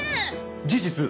事実